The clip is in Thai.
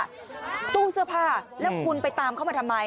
ตู้เสื้อผ้าแล้วคุณไปตามเขามาทำไม